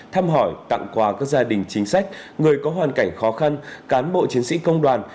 thăm hỏi tặng quà các gia đình chính sách người có hoàn cảnh khó khăn cán bộ chiến sĩ công đoàn